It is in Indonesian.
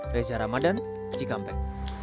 reza ramadan cikampek